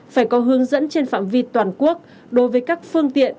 phải có hướng dẫn trên phạm vi toàn quốc đối với các phương tiện